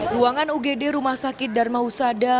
ruangan ugd rumah sakit dharma husada